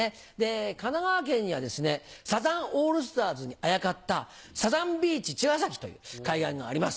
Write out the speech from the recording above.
神奈川県にはですねサザンオールスターズにあやかった「サザンビーチちがさき」という海岸があります。